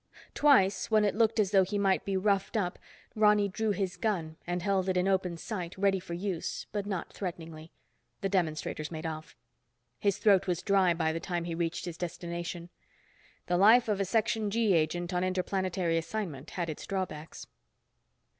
Twice, when it looked as though he might be roughed up, Ronny drew his gun and held it in open sight, ready for use, but not threateningly. The demonstrators made off. His throat was dry by the time he reached his destination. The life of a Section G agent, on interplanetary assignment, had its drawbacks.